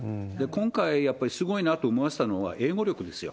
今回、やっぱりすごいなと思わせたのは、英語力ですよ。